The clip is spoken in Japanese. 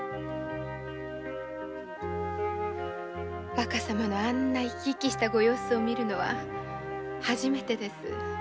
若様のあんな生き生きしたご様子を見るのは初めてです。